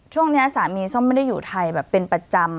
ช่วงนี้สามีส้มไม่ได้อยู่ไทยแบบเป็นประจำ